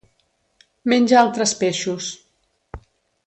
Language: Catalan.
Menja altres peixos.